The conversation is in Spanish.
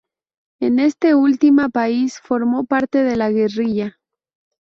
En este última país formó parte de la guerrilla.